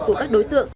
của các đối tượng